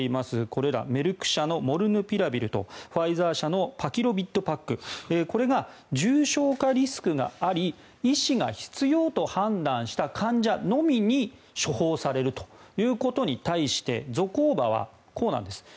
これらメルク社のモルヌピラビルとファイザー社のパキロビッドパックこれが重症化リスクがあり医師が必要と判断した患者のみに処方されるということに対してゾコーバはこうなんです。